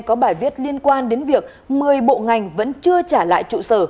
có bài viết liên quan đến việc một mươi bộ ngành vẫn chưa trả lại trụ sở